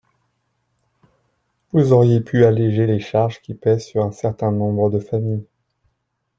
Vous auriez pu alléger les charges qui pèsent sur un certain nombre de familles.